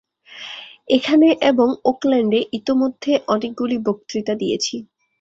এখানে এবং ওকল্যাণ্ডে ইতোমধ্যে অনেকগুলি বক্তৃতা দিয়েছি।